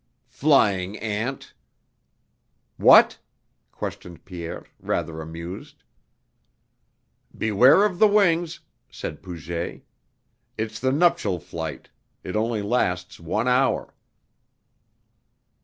"Flying ant!" "What?" questioned Pierre, rather amused. "Beware of the wings!" said Puget. "It's the nuptial flight. It only lasts one hour."